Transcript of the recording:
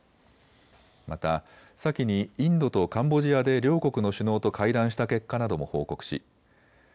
また先にインドとカンボジアで両国の首脳と会談した結果なども報告しＧ